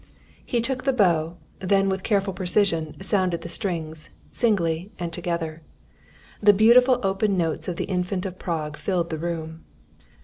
He took up the bow, then with careful precision sounded the strings, singly and together. The beautiful open notes of the Infant of Prague, filled the room.